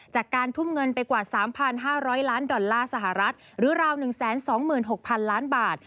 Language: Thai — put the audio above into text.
จากการทุ่มเงินไปกว่า๓๕๐๐ล้านดอลลาร์สหรัฐหรือราว๑๒๖๐๐๐ล้านบาท